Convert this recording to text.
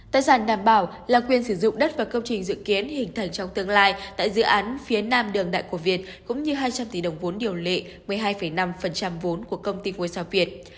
tài sản đảm bảo là quyền sử dụng đất và công trình dự kiến hình thành trong tương lai tại dự án phía nam đường đại của việt cũng như hai trăm linh tỷ đồng vốn điều lệ một mươi hai năm vốn của công ty ngôi sao việt